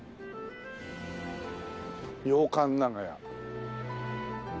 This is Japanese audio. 「洋館長屋」